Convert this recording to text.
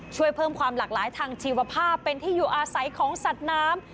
ช่วยเพิ่มความหลากหลายทางชีวภาพเป็นที่อยู่อาศัยของสัตว์น้ำ